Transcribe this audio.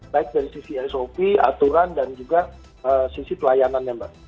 baik dari sisi sop aturan dan juga sisi pelayanannya mbak